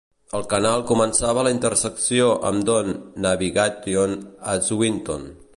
El canal començava a la intersecció amb Don Navigation a Swinton.